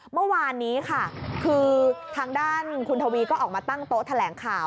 เมื่อวานนี้ค่ะคือทางด้านคุณทวีก็ออกมาตั้งโต๊ะแถลงข่าว